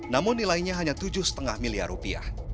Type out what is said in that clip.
namun nilainya hanya tujuh lima miliar rupiah